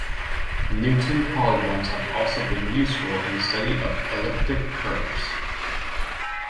Newton polygons have also been useful in the study of elliptic curves.